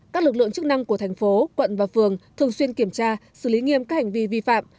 các lực lượng chức năng của thành phố quận và phường thường xuyên kiểm tra xử lý nghiêm các hành vi vi phạm